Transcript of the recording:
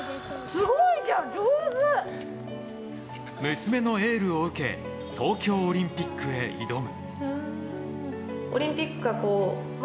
娘のエールを受け東京オリンピックへ挑む。